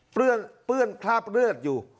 เปื้อนคราบเลือดอยู่